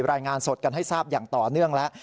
รายงานสดกันให้ทราบอย่างต่อเนื่องแล้ว